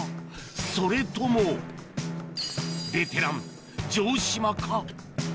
それともベテラン城島か？